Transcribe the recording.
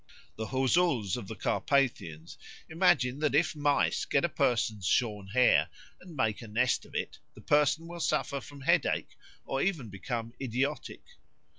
The Huzuls of the Carpathians imagine that if mice get a person's shorn hair and make a nest of it, the person will suffer from headache or even become idiotic.